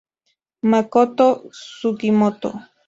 Makoto Sugimoto